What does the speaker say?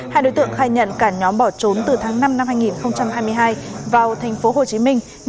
hai đối tượng khai nhận cả nhóm bỏ trốn từ tháng năm năm hai nghìn hai mươi hai vào thành phố hồ chí minh